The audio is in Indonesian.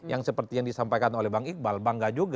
yang seperti yang disampaikan oleh bang iqbal bangga juga